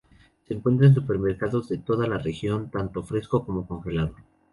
Se encuentra en supermercados de toda la región, tanto fresco como congelado.